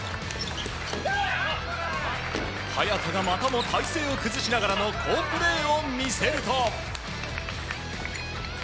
早田がまたも体勢を崩しながらも好プレーを見せると。